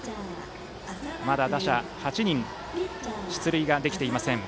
まだ打者８人出塁ができていません。